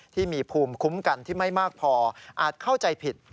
ที่มีภูมิคุ้มกันที่ไม่มากพออาจเข้าใจผิด